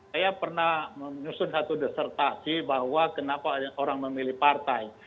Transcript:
saya pernah menyusun satu desertasi bahwa kenapa orang memilih partai